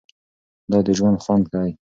دا د ژوند خوند دی.